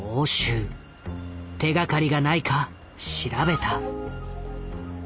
手がかりがないか調べた。